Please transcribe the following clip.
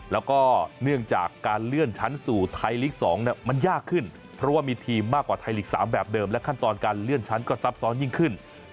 แล้วก็เนื่องจากการเลื่อนชั้นสู่ไทยลีก๒มันยากขึ้นเพราะว่ามีทีมมากกว่าไทยลีก๓แบบเดิมและขั้นตอนการเลื่อนชั้นก็ซับซ้อนยิ่งขึ้น